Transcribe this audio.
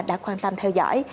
đã quan tâm theo dõi